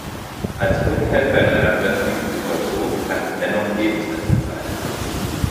Als Fluchthelfer in einer brenzligen Situation kann es dennoch lebensrettend sein.